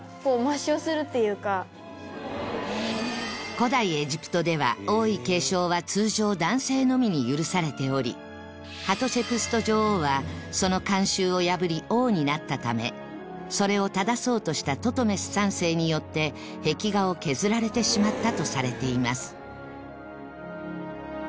古代エジプトでは王位継承は通常男性のみに許されておりハトシェプスト女王はその慣習を破り王になったためそれを正そうとしたトトメス３世によって壁画を削られてしまったとされています